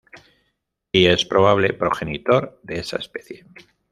Y es probable progenitor de esa especie.